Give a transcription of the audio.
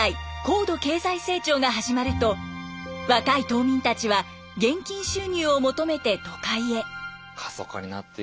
高度経済成長が始まると若い島民たちは現金収入を求めて都会へ。